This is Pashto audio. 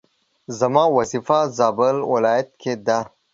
زما وظيفه زابل ولايت کي ده